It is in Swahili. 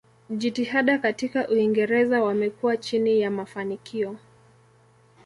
Jitihada katika Uingereza wamekuwa chini ya mafanikio.